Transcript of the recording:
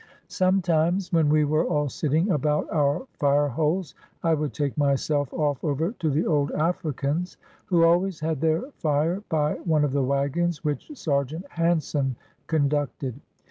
Sometimes when we were all sitting about our fire holes, I would take myself off over to the old Africans, who always had their fire by one of the wagons which Sergeant Hansen conducted.